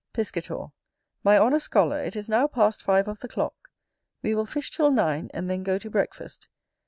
Piscator. My honest scholar, it is now past five of the clock: we will fish till nine; and then go to breakfast.